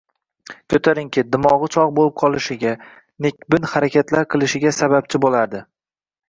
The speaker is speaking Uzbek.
ko'tarinki, dimog'i chog' bo'lib qolishiga, nekbin harakatlar qilishiga sababchi bo'lardi.